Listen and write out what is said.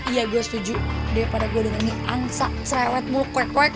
iya gue setuju daripada gue denger nih angsa cerewet mulu koek koek